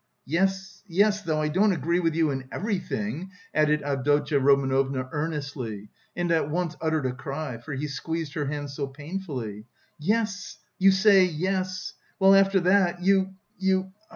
"Yes, yes... though I don't agree with you in everything," added Avdotya Romanovna earnestly and at once uttered a cry, for he squeezed her hand so painfully. "Yes, you say yes... well after that you... you..."